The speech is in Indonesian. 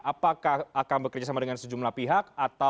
apakah akan bekerjasama dengan sejumlah pihak